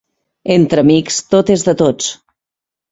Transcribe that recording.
Entre amics, tot és de tots.